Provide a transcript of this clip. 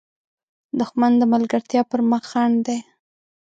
دښمن د ملګرتیا پر مخ خنډ دی